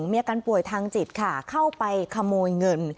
มีอาการป่วยทางจิตค่ะเข้าไปขโมยเงิน